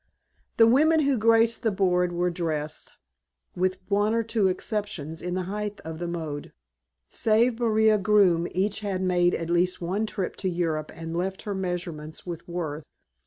The women who graced the board were dressed, with one or two exceptions, in the height of the mode. Save Maria Groome each had made at least one trip to Europe and left her measurements with Worth.